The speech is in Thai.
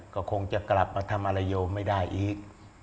ก็คงจะกลับมาทำอะไรโยมไม่ได้อีก